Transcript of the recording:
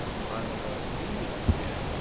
Bɣan ad ṛebbin ibekkan.